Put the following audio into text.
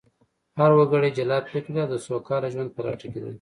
هر وګړی جلا فکر لري او د سوکاله ژوند په لټه کې دی